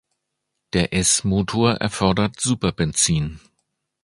Der S-Motor erforderte Superbenzin.